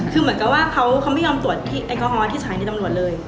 คุณมันก็ว่าเขาไม่ยอมตรวจแองต้อฮอฮอตที่สถานที่ตำรวจเลย